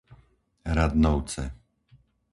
Radnovce